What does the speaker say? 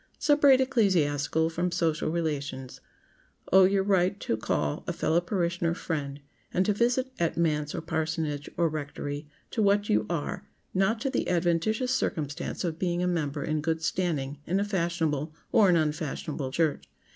Separate ecclesiastical from social relations. Owe your right to call a fellow parishioner "friend," and to visit at manse or parsonage, or rectory, to what you are—not to the adventitious circumstance of being a member in good standing in a fashionable, or an unfashionable, church.